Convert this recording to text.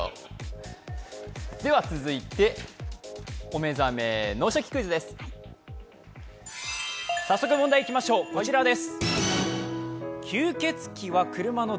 続いて「お目覚め脳シャキ！クイズ」です。